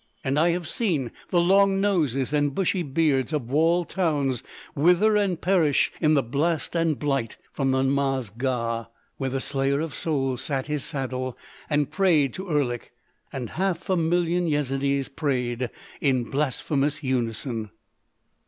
And I have seen the Long Noses and bushy beards of walled towns wither and perish in the blast and blight from the Namaz Ga where the Slayer of Souls sat his saddle and prayed to Erlik, and half a million Yezidees prayed in blasphemous unison."